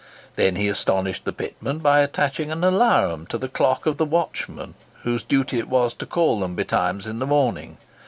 Then he astonished the pitmen by attaching an alarum to the clock of the watchman whose duty it was to call them betimes in the morning.